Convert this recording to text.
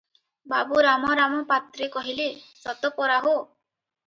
ବାବୁ ରାମରାମ ପାତ୍ରେ କହିଲେ, "ସତ ପରା ହୋ!